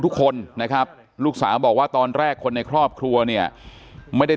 ทุกคนนะครับลูกสาวบอกว่าตอนแรกคนในครอบครัวเนี่ยไม่ได้